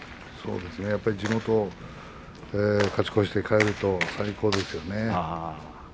地元で勝ち越して帰ると最高ですよね。